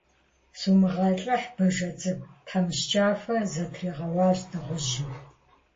- Сумыгъэлӏыхь, бажэ цӏыкӏу, - тхьэмыщкӏафэ зытригъэуащ дыгъужьым.